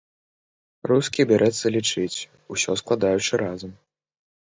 Рускі бярэцца лічыць, усё складаючы разам.